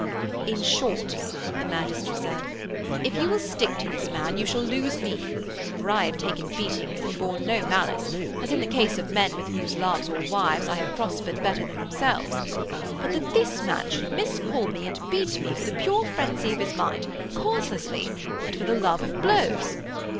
'In short,' the magister said, 'If you will stick to this man, you shall lose me. For I have taken beatings and borne no malice as in the case of men with whose loves or wives I have prospered better than themselves. But that this man should miscall me and beat me for the pure frenzy of his mind, causelessly, and for the love of blows!